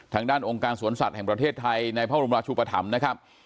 ทางด้านองค์การสวนสัตว์แห่งประเทศไทยในพระบรมราชุปธรรมนะครับ